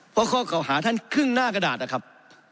เพราะข้อเก่าหาท่านครึ่งหน้ากระดาษนะครับ